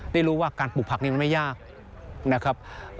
ได้รู้ว่าการปลูกผักนี้มันไม่ยากนะครับ